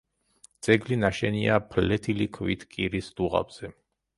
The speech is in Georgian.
ძეგლი ნაშენია ფლეთილი ქვით კირის დუღაბზე.